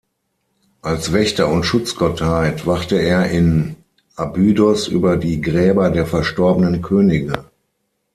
Als Wächter- und Schutzgottheit wachte er in Abydos über die Gräber der verstorbenen Könige.